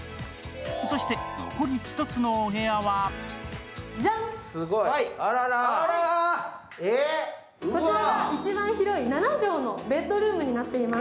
そして残り１のお部屋はこちらが一番広い７畳のベッドルームになっています。